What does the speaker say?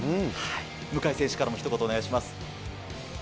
向選手からもひと言お願いします。